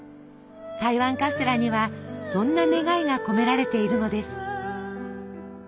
台湾カステラにはそんな願いが込められているのです。